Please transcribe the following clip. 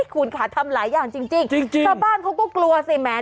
คุณค่ะทำหลายอย่างจริงจริงชาวบ้านเขาก็กลัวสิแหม